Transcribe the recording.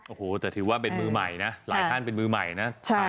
โอ้โหแต่ถือว่าเป็นมือใหม่นะหลายท่านเป็นมือใหม่นะ